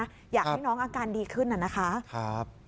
เออมาเร็วแล้วก็มาแรงด้วยนะคะ